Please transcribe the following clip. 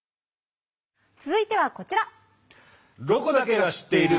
続いてはこちら！